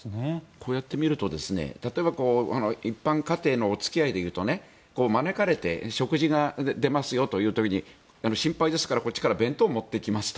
こうやって見ると例えば、一般家庭のお付き合いで言うと招かれて食事が出ますよという時に心配ですから、こっちから弁当を持っていきますと。